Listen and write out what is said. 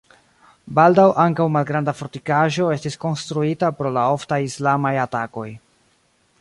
Baldaŭ ankaŭ malgranda fortikaĵo estis konstruita pro la oftaj islamaj atakoj.